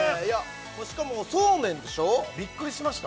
しかもそうめんでしょびっくりしました